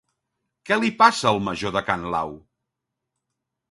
Què li passa al major de can Lau?